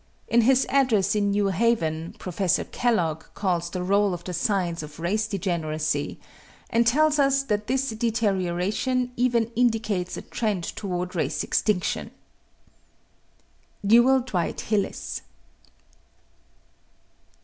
In his address in New Haven Professor Kellogg calls the roll of the signs of race degeneracy and tells us that this deterioration even indicates a trend toward race extinction. NEWELL DWIGHT HILLIS.